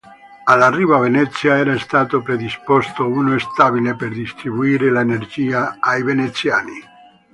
All'arrivo a Venezia era stato predisposto uno stabile per distribuire l'energia ai veneziani.